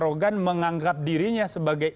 arogan menganggap dirinya sebagai